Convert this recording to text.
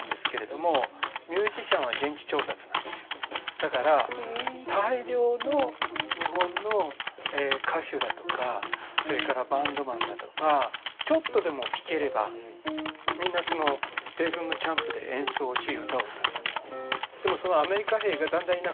だから大量の日本の歌手だとかそれからバンドマンだとかちょっとでも弾ければみんな米軍のキャンプで演奏をし歌を歌ったんですね。